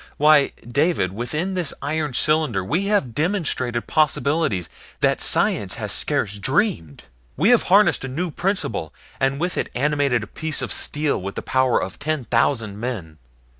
Why, David within this iron cylinder we have demonstrated possibilities that science has scarce dreamed. We have harnessed a new principle, and with it animated a piece of steel with the power of ten thousand men.